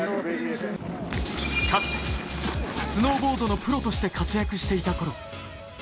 かつてスノーボードのプロとして活躍していたころ